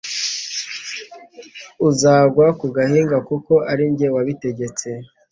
Uzagwa ku gahinga kuko ari jye wabitegetse